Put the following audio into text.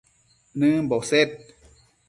nëmbo sed